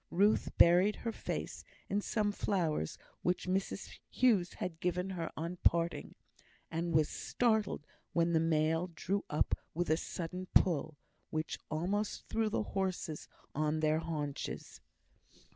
Ruth buried her face in some flowers which Mrs Hughes had given her on parting; and was startled when the mail drew up with a sudden pull, which almost threw the horses on their haunches.